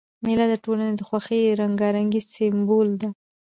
مېله د ټولني د خوښۍ او رنګارنګۍ سېمبول ده.